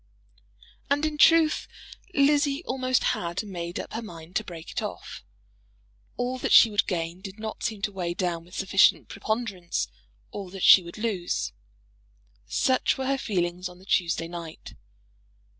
And, in truth, Lizzie almost had made up her mind to break it off. All that she would gain did not seem to weigh down with sufficient preponderance all that she would lose. Such were her feelings on the Tuesday night.